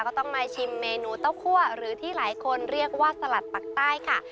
ก็ต้องมาชิมเมนูเต้าคั่วหรือที่หลายคนเรียกว่าสลัดปักใต้ค่ะ